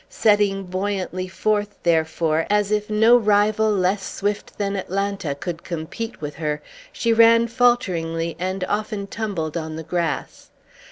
Setting buoyantly forth, therefore, as if no rival less swift than Atalanta could compete with her, she ran falteringly, and often tumbled on the grass.